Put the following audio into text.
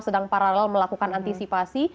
sedang paralel melakukan antisipasi